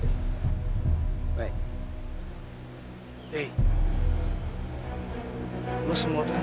yang saya kasih tau